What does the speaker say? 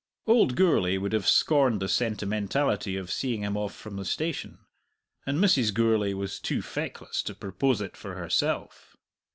Old Gourlay would have scorned the sentimentality of seeing him off from the station, and Mrs. Gourlay was too feckless to propose it for herself.